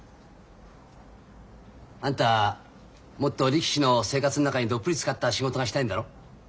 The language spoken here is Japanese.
あんたもっと力士の生活の中にどっぷりつかった仕事がしたいんだろ？